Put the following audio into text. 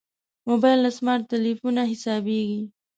موبایل له سمارټ تلېفونه حسابېږي.